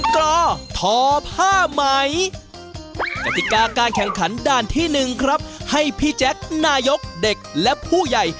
กอทอผ้าไหมกติกาการแข่งขันด่านที่๑ครับให้พี่แจ๊คนายกเด็กและผู้ใหญ่